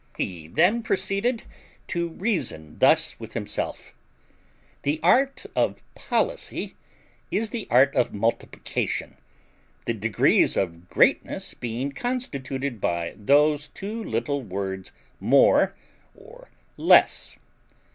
He then proceeded to reason thus with himself: "The art of policy is the art of multiplication, the degrees of greatness being constituted by those two little words MORE or LESS.